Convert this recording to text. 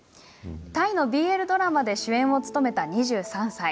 タイのＢＬドラマで主演を務めた２３歳。